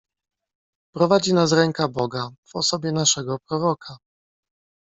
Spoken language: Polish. "Prowadzi nas ręka Boga, w osobie naszego Proroka."